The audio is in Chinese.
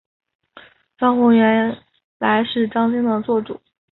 张宏原来是张鲸的座主。